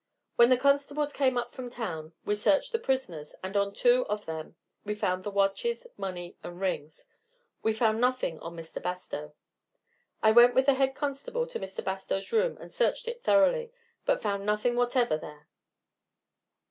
When the constables came up from town we searched the prisoners, and on two of them found the watches, money, and rings. We found nothing on Mr. Bastow. I went with the head constable to Mr. Bastow's room and searched it thoroughly, but found nothing whatever there."